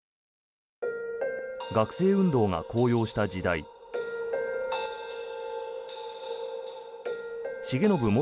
学生運動が高揚した時代重信房子